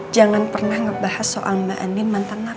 jangan pernah ngebahas soal mbak andi nanti